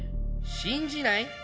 信じない？